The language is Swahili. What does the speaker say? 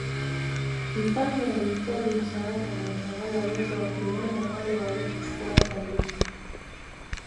Mfalme alihitaji msaada wa watawala wote wakiwemo wale waliomfuata Luther